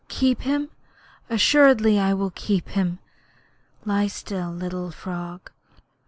Keep him? Assuredly I will keep him. Lie still, little frog.